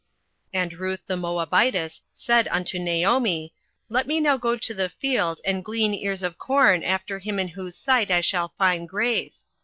08:002:002 And Ruth the Moabitess said unto Naomi, Let me now go to the field, and glean ears of corn after him in whose sight I shall find grace.